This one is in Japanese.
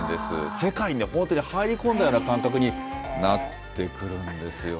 世界に本当に入り込んだような感覚になってくるんですよね。